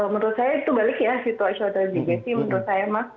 menurut saya itu balik ya situasi otodidakasi menurut saya mas